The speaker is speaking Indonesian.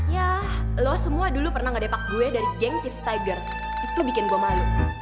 ya lo semua dulu pernah ngedepak gue dari geng chie stigger itu bikin gue malu